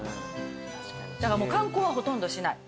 だからもう観光はほとんどしない。